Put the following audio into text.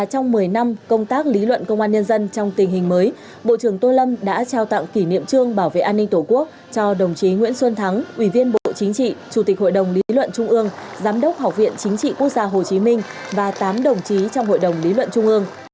trong một mươi năm công tác lý luận công an nhân dân trong tình hình mới bộ trưởng tô lâm đã trao tặng kỷ niệm trương bảo vệ an ninh tổ quốc cho đồng chí nguyễn xuân thắng ủy viên bộ chính trị chủ tịch hội đồng lý luận trung ương giám đốc học viện chính trị quốc gia hồ chí minh và tám đồng chí trong hội đồng lý luận trung ương